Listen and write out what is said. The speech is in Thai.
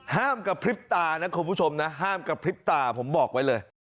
กระพริบตานะคุณผู้ชมนะห้ามกระพริบตาผมบอกไว้เลย